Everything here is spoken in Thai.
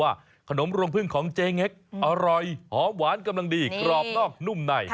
ขนมรวงพึ่งของเจเง็กอร่อยหอมหวานกำลังดีกรอบนอกนุ่มใน